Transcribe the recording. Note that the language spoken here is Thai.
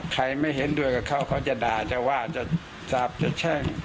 ใครไม่เห็นด้วยเขาเขาจะด่าจะว่าจะทราบจะ